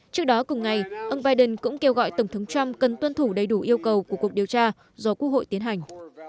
trước đó cùng ngày ông biden cũng kêu gọi tổng thống trump cần tuân thủ đầy đủ yêu cầu của cuộc điều tra do quốc hội tiến hành